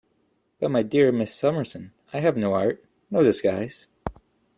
But, my dear Miss Summerson, I have no art, no disguise.